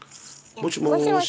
もしもし。